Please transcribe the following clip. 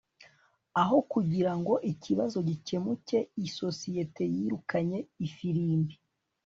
aho kugirango ikibazo gikemuke, isosiyete yirukanye ifirimbi